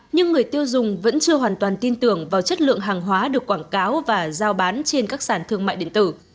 nhưng người tiêu dùng vẫn chưa hoàn toàn tin tưởng vào chất lượng hàng hóa được quảng cáo và giao bán trên các sản thương mại điện tử